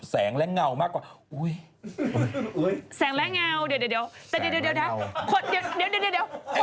แสงและเงาเพครับ